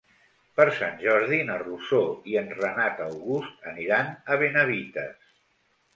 Per Sant Jordi na Rosó i en Renat August aniran a Benavites.